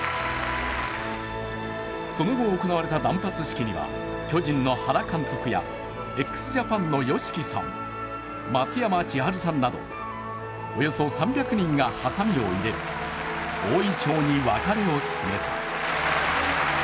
その後、行われた断髪式には巨人の原監督やＸＪＡＰＡＮのＹＯＳＨＩＫＩさん、松山千春さんなどおよそ３００人がはさみを入れ、大銀杏に別れを告げた。